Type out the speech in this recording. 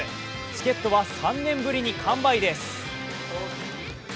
チケットは３年ぶりに完売です。